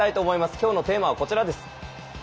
きょうのテーマはこちらです。